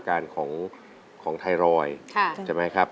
ได้อีกคืออยู่ในเขา